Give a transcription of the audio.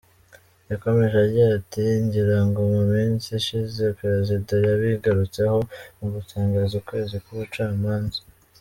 Yakomeje agira ati: “Ngirango mu minsi ishize Perezida yabigarutseho mu gutangiza ukwezi kw’Ubucamanza.